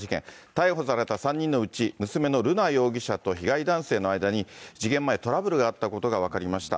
逮捕された３人のうち、娘の瑠奈容疑者と被害男性の間に、事件前、トラブルがあったことが分かりました。